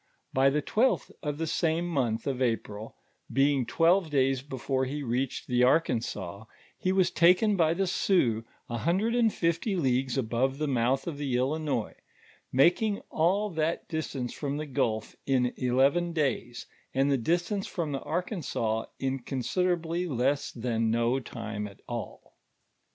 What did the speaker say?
IJy the twelfth of the same month of April, being twelve days before he reached the Arkansas, he was taken by the Sioux a hundred and fifty leagues above the mouth of the Illinois, making nil that dis tance from the gulf in eleven days, and the distance from the Arkansas, in con siderably less than no time nt all.